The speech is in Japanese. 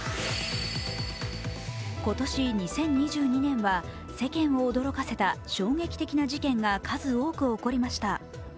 今年２０２２年は世間を驚かせた衝撃的な事件が数多く起こりました。